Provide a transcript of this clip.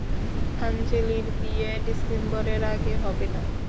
আঞ্জলির বিয়ে ডিসেম্বরের আগে হবে না।